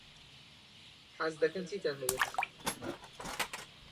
حەز دەکەن چیتان هەبێت؟